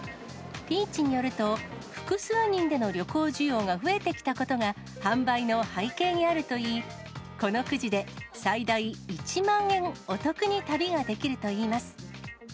Ｐｅａｃｈによると、複数人での旅行需要が増えてきたことが、販売の背景にあるといい、このくじで、最大１万円お得に旅ができるといいます。